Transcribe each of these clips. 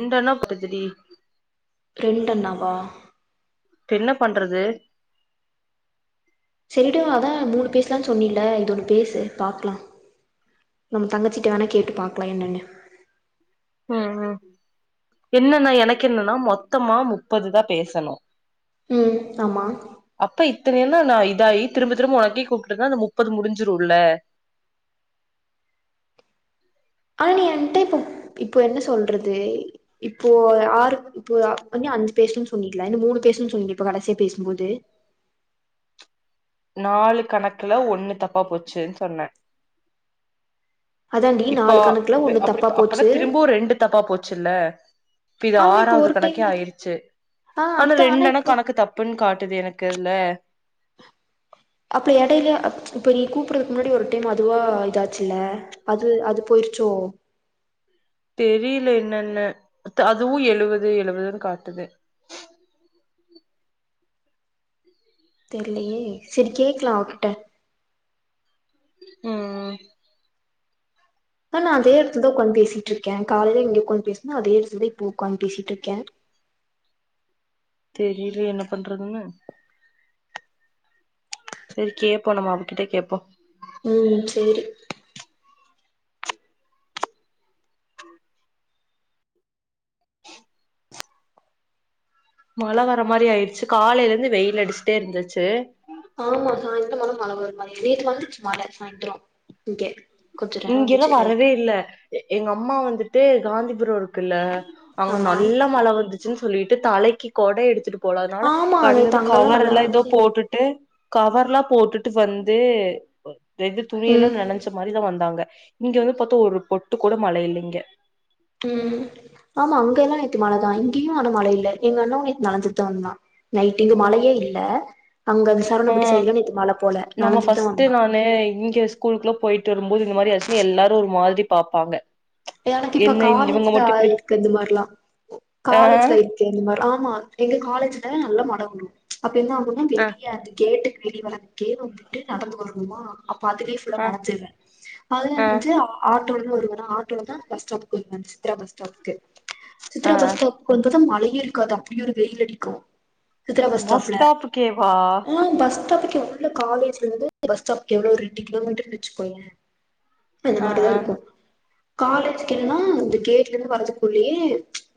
ரெண்டன்னொ காட்டுதுடி ரெண்டன்னாவா இப்ப என்ன பண்றது சரிடு அதா மூனு பேஸ்லா சொன்னீல இதொன்னு பேசு பாக்லா நம்ம தங்கச்சிட்ட வேணா கேட்டு பாக்லா என்னன்னு ம் ம் என்னன்னா எனக்கு என்னன்னா மொத்தமா முப்பது தா பேசணு ம் ஆமா அப்ப இத்தனைையென்ன நா இதாயி திரும்ப திரும்ப உனக்கே கூப்ட்டு இருந்தா அந்த முப்பது முடிஞ்சிருல்ல ஆனா நீ என்ட்ட இப்போ இப்ப என்ன சொல்றது இப்போ ஆறு இப்போ இன்னு அஞ்சு பேசுன் சொன்னீல இன்னு மூனு பேசுன் சொன்னீல இப்ப கடைசியா பேசும்போது நாலு கணக்குல ஒண்ணு தப்பா போச்சுன் சொன்ன அதாண்டி இப்போ நாலு கணக்குல அப்பு ஒண்ணு அப்டி தப்பா அப்பனா போச்சு திரும்போ ரெண்டு தப்பா போச்சுல்ல இப்ப இது ஆனா இப்போ ஆறாவது ஒரு கணக்கே டைம்ல ஆயிருச்சு ஆ ஆனா அதா ரெண்டன்ன இப்போ கணக்கு த ப்புன் காட்டுது எனக்கு அதுல அப்லே எடைல இப்போ நீ கூப்பறதுக்கு முன்னாடி ஒரு டைம் அதுவா இதாச்சுல அது அது போயிருச்சோ தெரியல என்னன்னு அதுவு எழுவது எழுவதுன் காட்டுது தெர்லயே செரி கேக்லா அவ கிட்ட ம் ம் நானு அதே எடத்துல தா உக்காந்து பேசிட்ருக்கே காலேல இங்க உக்காந் பேசுனே அதே எடத்துல தா இப்போ உக்காந் பேசிட்ருக்கே தெரியலே என்ன பண்றதுன்னு செரி கேப்போ நம்ம அவகிட்டே கேப்போ ம் சேரி மழவர மாரி ஆயிருச்சு காலேலந்து வெயில் அடுச்ட்டே இருந்துச்சு ஆமா சாய்ந்தரமானா மழ வர மாரி நேத்து வந்துச்சு மழ சாய்ந்ரோ இங்கே இங்க எல்லா வரவே இல்ல எங்க அம்மா வந்துட்டு காந்திபுரொ இருக்குல்ல அங்க ஆமா நல்ல மழ வந்துச்சுன்னு சொல்லிட்டு தலைக்கி கொட எடுத்துட்டு போல அதனால ஆமா நேத்து கருகது அங்கல்லா கவர் நல்லா எல்லா எதோ வந்துச்சு போட்டுட்டு கவர்லா போட்டுட்டு வந்து வெகு துணியெல்லா ம் நெனஞ்ச மாரிதா வந் தாங்க இங்க வந்து பாத்தா ஒரு பொட்டு கூட மழ இல்லைங்க ம் ஆமா அங்க எல்லா நேத்து மழதா இங்கேயு ஆனா மழ இல்ல எங்க அண்ணாவு நேத்து நனஞ்சுட்டு தா வந்தா நைட்டு இங்க மழயே இல்ல அங்க அந்த ஆ சரணவம்பட்டி சைட்ல நேத்து மழ போல நனஞ்சிட்டு தா வந்தா னே இங்க ஸ்கூலுக்குள்ள போயிட்டு வரும்போது இந்த மாரி ஆச்சுன்னா எல்லாரு ஒரு மாதிரி பாப்பாங்க எனக்கு இப்ப என்ன இவங்க காலேஜ்ல மட்டு ஆ இப்டி இருக்கு இந்த மார்லா ஆ காலேஜ்ல இருக் ஆமா எங்க காலேஜ்ல நல்லா மழ வரு அப்ப என்ன ஆகுனா ஆ தெரியாது கேட்டுக்கு வெளிய வர்து கே வந்துட்டு நடந்து வரணுமா அப்ப அதுலேயே ஃபுல்லா ஆ நெனைஞ்சிருவே அதுல ஆ நெனஞ்சு ஆட்டோல வருவனா ஆட் ஆட்டோலதா பஸ் ஸ்டாப்க்கு வருவ சித்ரா பஸ் ஸ்டாப்க்கு சித்ரா ஆ பஸ் ஸ்டாப் கு வந்தது மழையே இருக்காது அப்டி ஒரு வெயில் அடிக்கூ சித்ரா பஸ் ஸ்டாப்ல ஆ பஸ் ஸ்டாப்க் ல காலேஜ்ல இருந்து பஸ் ஸ்டாப்க் எவ்ளோ ஒரு எட்டு கிலோமீட்டர்னு வச்சுகோய அந்த ஆ மார்தா ஆ இருக்கூ காலேஜ்க்கின்னா இந்த கேட்டுல இருந்து வரதுக்குள்ளயே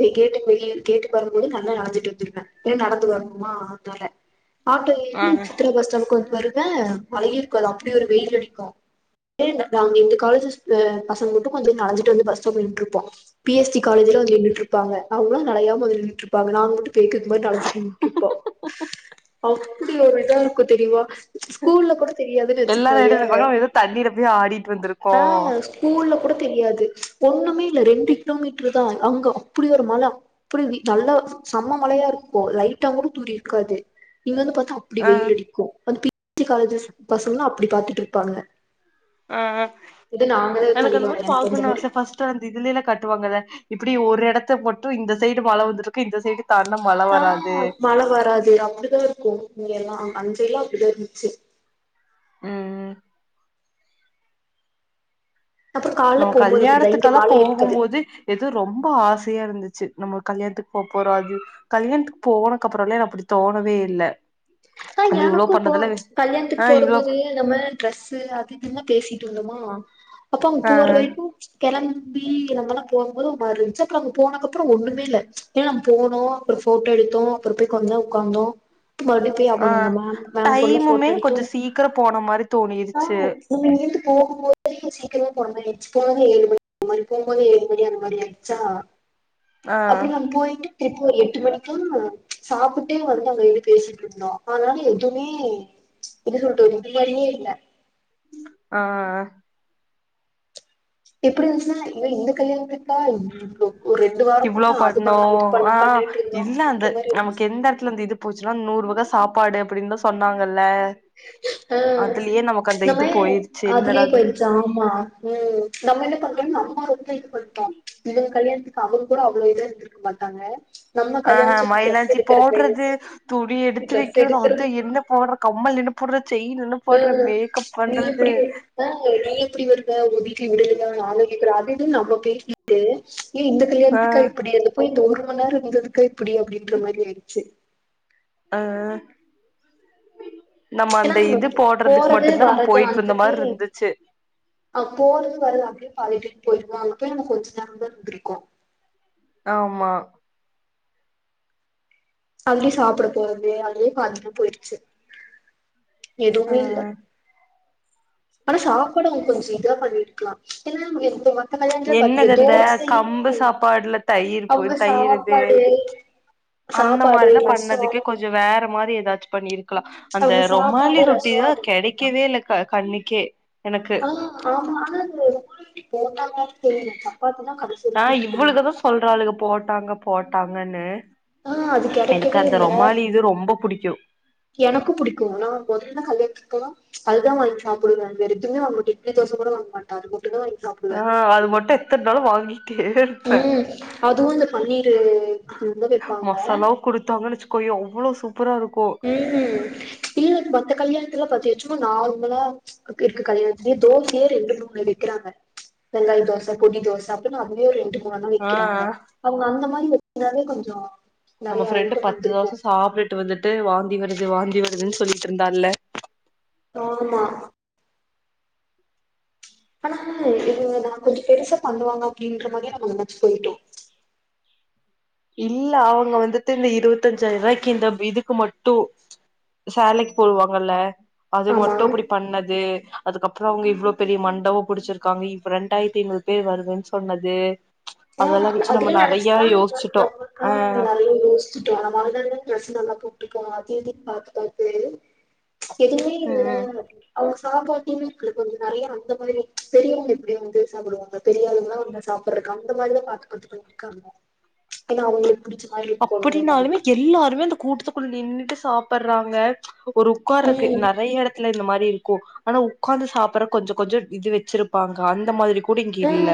வெ கேட்டு வரும்போது நல்லா நனஞ்சிட்டு ஞ்சிருவ ஏ நடந்து வரணுமா [unintelligible] ஆட்டோ ஆ ஏறி சித்ரா பஸ் ஸ்டாண்டுக்கு வரு வே மழயே இருக்காது அப்டி ஒரு வெயில் அடிக்கூ அப்டே எங்க காலேஜ் அ பசங்க ட்டு கொஞ்சோ நனஞ்சிட்டு வந்து பஸ் ஸ்டாப்ல நின்னுட்ருப்போ பி எஸ் டி காலேஜ்ல வந்து நின்னுட்டுருப்பாங்க அவுங்கலா நனையாம வந்து நின்னுட்ருப்பாங்க நாங்க மட்டு பேக்குக் மாரி நனஞ்ச்சிட்டு நின்னுட்ருப்போ அப்டி ஒரு இதா இருக்கூ தெரியுமா ஸ்கூல்ல கூட தெரியாதுன்னு எல்லாரு என்ன வச்சுக்கோயே நெனைப்பாங்க நம்ம ஏதோ தண்ணீல போய் ஆடிட்டு வந்திருக்கோ ஆ ஸ்கூல்ல கூட தெரியாது ஒண்ணுமே இல்ல ரெண்டு கிலோமீட்டர் தா அங்க அப்பிடி ஒரு மழ அப்பிடி நல்லா செம்ம மழயா இருக்கூ லைட்டா கூட தூரி இருக்காது இங்க வந்து பாத்தா அப் ப்பிடி ஆ வெயில் அடிக்கு அந்ந [inaudible] காலேஜ் பசங்கல்லா அப்டி பாத்துட்ருப்பாங்க ஆ எனக்கு அந்த மாரி வெளையாண்ட்டு அந்த பாக்குன்னு மாரி ஆச ஃபஸ்ட் [unintelligible] இதுலல்லா கட்டுவாங்கத இப்பிடி ஒரு எடத்த மட்டு இந்த சைடு மழ வந்துருக்கு இந்த சைடு தாண்டுனா மழ ஆ வராது மழ வராது அப்பிடிதா இருக்கூ இங்கல்லா அஞ்சைட்லா அப்பிடிதா இருந்துச்சு ம் ம் அப்றோ கால்ல நம்ம போம்போது அப்டிதா இங்க கல்யாணத்துக்கலா மழ இருக்காது போகும்போது எது ரொம்ப ஆசயா இருந்துச்சு நம்ம கல்யாணத்துக்கு போ போறோ அது கல்யாணத்துக்கு போனதுக்கு அப்புறோல்லா அப்பிடி தோணவே இல்ல ஆ நம்ம இவ்ளோ எனக்கும் போ பண்ணதெல்லா கல்யாணத்துக்கு ஆ இவ்ளோ போறம்போது நம்ம டிரெஸ்ஸு அது இதுன்லா பேசிட்டு வந்தோமா அப்ப அங்க ஆ போர ஆ வரைக்கூ கெளம்பி நம்மலா போகும்போது ஒரு மார் இருந்துச்சு அப்புறோ அங்க போனக்கப்பறோ ஒண்ணுமே இல்ல ஏனா நம்ம போனோ அப்புறோ போட்டோ எடுத்தோ அப்புறோ போய் கொஞ்சோ நேரோ உக்காந்தோ அடுத்து மறுடி போய் ஆ [unintelligible] மேம் கூடலா டைமுமே ஃபோட்டோ எடுத்தோ கொஞ்சோ சீக்கிரோ போன மாரி ஆ தோணிருச்சு இங்கேருந்து போகும்போது சீக்கிரமா போன மாரி ஆச்சு போனது ஏழு மணி போகும்போது ஏழு மணி அந்த மாரி அயிடிச்சா ஆ அப்பிடி நம்ம போயிட்டு திருப்பி ஒரு எட்டு மணிக்கு சாப்பிட்டே வந்து அங்க இருந்து பேசிட்ருந்தோ ஆனாலே துணி [unintelligible] இது மாரியே இல்ல ஆ எப்டி இருந்துச்சுனா இ இந்த கல்யாணத்துக்கா ஒ ஒரு ரெண்டு வாரமா இவ்ளோ அது பண்ணோ பண்ணலா இது பண்ணலா ஆ பண்ணிட்டு இருந்தோ இல்ல அந்து அப்டின்ற மாரி நமக்கு எந்த இடத்துல அந்த இது போச்சின நூறு வகை சாப்பாடு அப்படின்னுதா சொன்னாங்கல்ல ஆ அதுலயே நமக்கு அந்த நம்ம இது போயிருச்சு என்னடா அதுலயே போயிடுச்சு ஆமா ம் நம்ம என்ன பண்றோம்னா அம்மா ரொத்த இது பண்டோ இவங்க கல்யாணத்துக்கு அவுங்க கூட அவ்ளோ இத இருந்திருக்க மாட்டாங்க நம்ம ஆ கல்யாண சுட்டு ட்ரெஸ் மயிலாஞ்சி எடுக்கறது போடுறது துணி எடுத்து ட்ரெஸ் வெக்கிறது எடுக்கறது அது என்ன போடுற கம்மல் என்ன போடுற செய்ன் என்ன ஆ போடுற மேக்கப் நீ பண்றது எப்டி ஆ நீ எப்டி வருவே உ வீட்ல விடலயா நானு கேக்குறே அது இதுவு நம்ம பேசிட்டு ஏ இந்த ஆ கல்யாணத்துக்கா இப்டி அந்தப்போய் இந்த ஒரு மணி நேரோ இருந்ததுக்கா இப்டி அப்டின்ற மாறி ஆயிடுச்சு ஆ நம்ம ஏன்னா அந்த இது போடுறதுக்கு போறது மட்டுதா நம்ம வரது போயிட்டு வந்த அந்தக்கே மாறி இருந்துச்சு அ போறது வாரது அப்டியே பழகி போயிருவோ அங்க போய் நம்ம கொஞ்சோ நேர தா இருந்திருகோ ஆமா அங்கயே சாப்பட போறது அங்கயே பாத்துட்டு போயிருச்சு எதுவுமே இல்ல ஆ ஆனா சாப்பாடு அவங்க கொஞ்ச இதா பண்ணிட்டுக்கலா ஏனா [unintelligible] என்னது அந்த கம்பு சாப்பாடுல தயிருப்போ அவங்க தயிருது சாப்பாடு அந்த சாப்பாடு மாறிலா ரசோ பண்ணதுக்கே கொஞ்சோ வேற மாறி ஏதாச்சு பண்ணிருக் க்கலா அந்த அவங்க ரொமாலி சாப்பாடு ரசோ ரொட்டியே அதுக்கு போட்டான் கிடக்கவே இல்ல அண்ணைக்கே எனக்கு ஆ ஆமா ஆனாது போட்டாங்களா தெரில சப்பாத்தினா கத சொல்ல குடுத்து கொடுத்தாங்க காலுகா போட்டாங்க போட்டாங்கன்னு ஆ அது எனக்கு கெடைக்கவே அந்த இல்ல ரொமாலி இது ரொம்ப பிடிக்கு எனக்கு புடிக்கு நா முதல்ல தா கல்யாத்துக்கு போனா அதுதா வாங்கி சாப்படுங்கற எதுவுமே வாங்கட்டு இட்ல தோச கூட வாங்க மாட்டாது மட்டும்தா வாங்கி சாப்டு ஆ அது மட்டு எத்தன நாளு வாங்கிக்கே ம் அதுவும் இந்த பண்ணீரு மசாலாவு கொடுத்தாங்க வச்சுக்கோய எவ்ளோ சூப்பரா இருக்கு ம்ஹூம் இல்ல மத்த கல்யாணத்துல பாத்திச்சு நார்மலா இருக்கு கல்யாணத்து தோசயே ரெண்டு மூனு வெக்கிறாங்க வெங்காய தோச பொடி தோச அப்டின்னா அதுவே ரெண்டு அவதான் ஆ வெக்கிறாங்க அவங்க அந்த மாறி வச்சனாவே கொஞ்சோ நம்ம நெறைய ஃப்ரெண்டு ஐட்டம் பத்து வந்திருக்கு தோச சாப்ட்டுட்டு வந்துட்டு வாந்தி வருது வாந்தி வருதுன்னு சொல்லிட்டு இருந்தால்ல ஆமா ஆனா இது நா கொஞ்சோ பெருசா பண்ணுவாங்க அப்டின்ற மாறி நம்ம என்னாச்சு போயிட்டோம் இல்ல அவுங்க வந்துட்டு இந்த இருவத்தஞ்சாயிரம் ரூபாய்க்கு இந்த இதுக்கு மட்டு சேலைக்கு போடுவாங்கல்ல அது ஆமா மட்டு இப்டி பண்ணது அதுக்கப்பறோ அவுங்க இவ்ளோ பெரிய மண்டபம் புடிச்சிருக்காங்க இப்ப ரெண்டாயிரத்தி ஐம்பது பேர் வருதுன்னு சொன்னது அதெல்லா வச்சு நம்ம நெறய யோசிச் [unintelligible] ம் அந்த மாரி பிரச்சன எல்லாம் கூப்பி இருக்கோம் அதயும் பாத்து பாத்த பாத்து எதுவுமே இல்ல ம் ம் அவுங்க சாப்பாட்டேமே ளுக்கு வந்து நெறய அந்த மாறி பெரியவங்க எப்டி வந்து சாப்புடுவாங்க பெரியவங்கல வந்து சாப்டடுற அந்த மாதிரிதா பாத்து பாத்து பன்னியிருக்காங்க ஏன்னா அவங்களுக்கு புடிச்ச மாரி இருக்கணு அப்டின்னாலுமே எல்லாருமே அந்த கூட்டத்துக்குள்ள நின்னுட்டு சாப்புடறாங்க ஒரு உக்கார இருக்கு ம் நறய எடத் துல இந்த மாரி இருக்கு ஆனா உக்கார்ந்து சாப்படுற கொஞ்ச கொஞ்ச இது வச்சிருப்பாங்க அந்த மாதிரி ஆ புடிகியில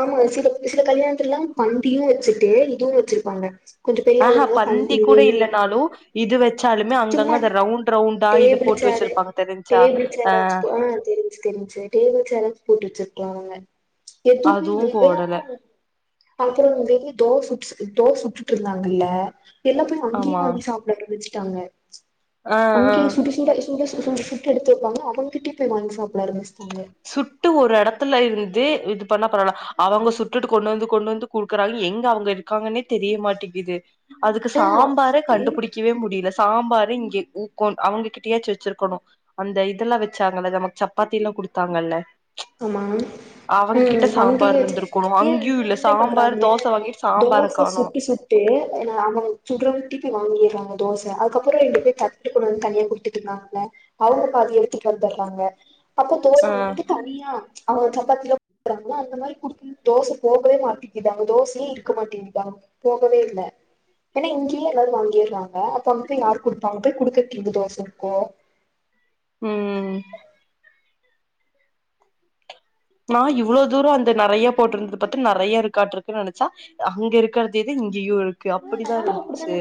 ஆமா சில சில கல்யாணத்துல எல்லா பந்தியு வச்சுட்டு இதுவு வச்சிருப்பாங்க கொஞ்சோ ஆ பெரிய ஹா ஆளுங்கல்லா பந்தி கூட பந்தில இல்லனாலு இது வச் ச்சாலுமே சும்மா அங்கங்க அந்த ரவுண்ட் ரவுண்டா இது டேபிள் போட்டு சேரு வச்சிருப்பாங்க தெரிஞ்ச்சா அ தெரிஞ்சி டேபிள் சாரு போட்டு வெச்சிருக்கலாங்க எதுவுமே அதுவு இல்லையே எல்லா போடல அப்புறோ வந்துட்டு தோச சு தோசை சுட்டுட்டு இருந்தாங்ல்ல எல்லா போய் அங்கே ஆமா வாங்கி சாப் லட்டு பிரிச்சிட்டாங்க ஆ ஆ அங்கேயே சுடு சுட சுடு சு சு சுட்டு எடுத்து வெப்பாங்க அவுங்க கிட்டயே போய் வாங்கி சாப்பிட ஆரம்பிச்சிட்டாங்க சுட்டு ஒரு எடத்துல இருந்து இது பண்ண பரல அவுங்க சுட்டுட்டு கொண்டு வந்து கொண்டு வந்து குடுக்குறாங்க எங்க அவுங்க இருக்காங்கன்னே தெரிய மாட்டேங்கிது அதுக்கு சாம்பாரே ஆ கண்டுபுடிக் க்கவே முடியல சாம்பாரு இங்கே ஊக்கோன் அவங்க கிட்டயேச்சு வச்சிருக்கணு அந்த இதெல்லா வச்சாங்கல நமக்கு சப்பாத்தில்லா குடுத்தாங்கல்ல ஆமா அவங்க ம் கிட்ட அங்கேயே சாம்பார் வச்சு இருந்திருக்கணு ஏ அங்கயு இன்னு இல்ல என்டைம் சாம்பார் பண்றாங்க தோச வாங்கிட்டு சாம்பார தோச காணோ சுட்டு சுட் டு என்ன அவுங்க சுடரவு திருப்பி வாங்கிறாங்க தோச அதுக்கப்புறோ ரெண்டு பேர் தட்டு கொண்டு வந்து தனியா குடு த்துட்டுறாங்க அவுங்க பாதி எடுத்துட்டு வந்துட்றாங்க அப்போ தோ அ தனியா அவுங்க சப்பாத்திலா க்குறாங்கல அந்த மாரி குடுத் தோச போகவே மாட்டங்கிது அங்க தோசையு இருக்க மாட்டேங்கிதுதாங் போகவே இல்ல ஏன்னா இங்கேயே எல்லாரு வாங்கிற்றாங்க அப்ப அங்க போய் யார் குடுப்பா அங்க போய் குடுக்கறதுக் எப்டிதோச இருக்கோ ம் நா இவ்ளோ தூரோ அந்த நறைய போட்டிருந்தது பாத்து நறைய இருக்காட்டு இருக்குன்னு நனைச்சா அங்க இருக்க தீதி இங்கேயு இருக்கு அப்டிதா நானு இருந்துச்சி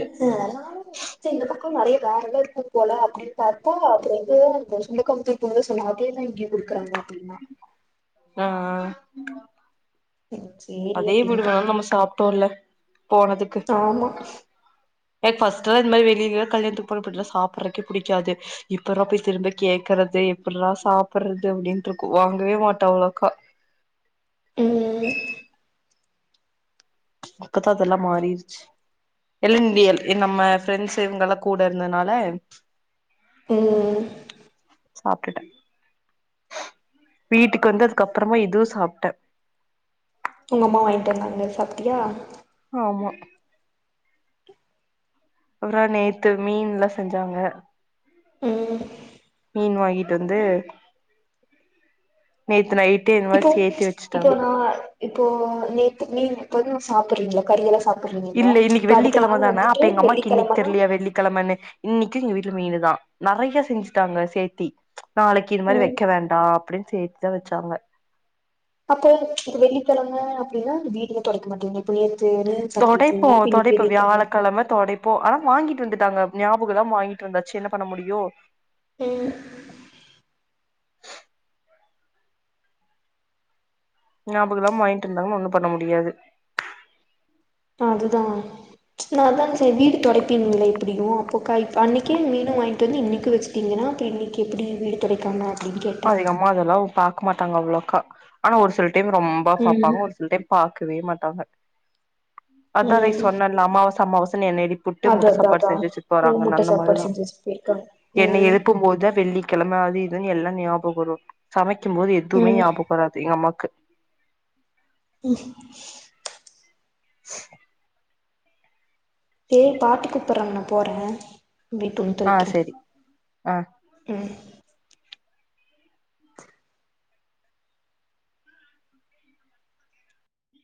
கும் நறைய வேறெல்லா இருக்கும் போல அப்டின்னு பார்த்தா அப்பற வந்து அந்த சுண்டக்கா [unintelligible] சொன்ன அப்டியே தா இங்கயு குடுக்குறாங்க அப்டின்னா அ அ இஞ்ச்சு அதே விடு வேணாலு நம்ம சாப்ட்டோல்ல போனதுக்கு ஆமா எ ஃபிர்ஸ்ட் இந்த வெளியில எங்காது கல்யாணத்துக்கு போற பட்ல்லா சாப்புறக்கே புடிக்காது எப்புரா போய் திரும்ப கேக்றது எப்புட்ராா சாப்புட்றது அப்டின்ருக்கு வாங்கவே மாட்டா உங்அக்கா ம் பாக்கதா அதெல்லா மாறிடுச்சி எல் இந்தியல் நம்ம ஃப்ரெண்ட்ஸ் இவுங்கெல்லா கூட இருந்ததுனால ம் சாப்ட்டுடே வீட்டுக்கு வந்துததுக்கப்புறமா இதுவு சாப்ட்ட உங்க அம்மா வாங்கிட்டு வந்தாங்க சாப்ட்டியா ஆமா அப்புறோ நேத்து மீன் எல்லா செஞ்சாங்க ம் மீன் வாங்கிட்டு வந்து நேத்து நைட் இப்போ இப்போ நா இப்போ நேத்து மீன் இப்ப எதுவு சாப்புட்றதில்ல கறியெல்லா சா இல்ல இன்னிக்கி வெள்ளிக்கெழம தான அப்ப எங்க அம்மாக்கி இன்னிக்கு வெள்ளிக்கெழமனா தெரிலயா வெள்ளிக்கெழமன்னு இன்னிக்கி எங்க வீட்ல மீனுதா நெறைய செஞ்சுட்டாங்க சேத்தி நாளைக்கி இது மாரி ம் வெக்க வேண்டா அப்டின்னு சேத்துத வெச்சாங்க அப்போ இப்ப வெள்ளிக்கெழம அப்டின்னா வீடுல தொடக்க மாட்டீங்க இப்போ நேத்து மீன் சாப்ட்ருக்கீங்க அப்ப இன்னிக்கி வெள்ளிக் கெழ கெழம தொடைப் போ ஆனா வாங்கிட்டு வந்துட்டாங்க ஞாபக இல்லாம வாங்கிட்டு வந்தாச்சி என்ன பண்ண முடியு ம் ஞாபக இல்லாம வாங்கிட்டு வந்தாங்க ஒண்ணு பண்ண முடியாது ஓ அதுதா நா அதா சரி வீடு தொடைப்பிங்ள எப்டியு அப்போ க அன்னக்கே மீன் வாங்கிட்டு வந்து இன்னைக்கு வச்சு பாத்திங்கன்னா பிள்ளைக்கு எப்டி வீடு தொடைப்பாங்க அதிகமா அதெல்லா அவொ பாக்க மாட்டங்க அவ்ளோக்கா ஆனா ஒரு சில டைம் ரொம்ப பாப்பாங்க ம் ஒரு சில டைம் பாக்கவே மாட்டாங்க அதா அன்னைக்கு ம் சொன்னன்ல அமாவாச அமாவாசனு என்ன எழுப்புட்டு முட்ட சாப்பாடு செஞ்சி வச்சிட்டு போறாங்கன்ன அந்த மாரிதா ஜஸ் பே என்னன எழுப்பும் போதா வெள்ளி கெழம அது இதுன்னு எல்லா ஞாபக வரு சமைக்கு போது எதுவுமே ம் ஞாபக வராது எங்க அம்மாக்கு ம் ஏய் பாட்டி கூப்புட்றாங்க நா போறே இங்கயே துணி ஆ தொவக்கிறே சரி ஆ ம்